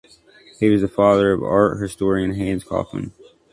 He was the father of art historian Hans Kauffmann.